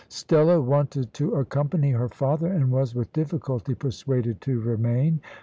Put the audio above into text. Stella wanted to accompany her father, and was with difficulty persuaded to remain.